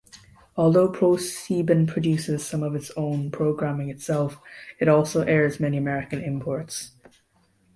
Although ProSieben produces some of its programming itself, it also airs many American imports.